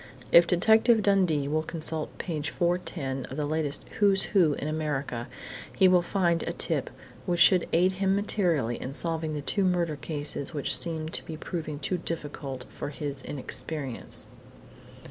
"If Detective Dundee will consult page 410 of the latest WHO'S WHO IN AMERICA, he will find a tip which should aid him materially in solving the two murder cases which seem to be proving too difficult for his inexperience."